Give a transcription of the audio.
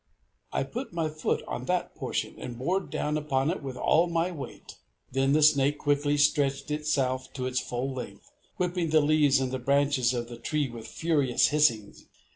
I put my foot on that portion, and bore down upon it with all my weight. Then the snake quickly stretched itself to its full length, whipping the leaves and the branches of the tree with furious hissings.